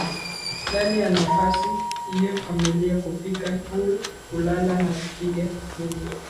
Ndani ya nafasi hiyo familia hupika hul hulala na hupiga gumzo